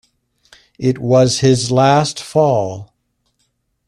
It was his last fall.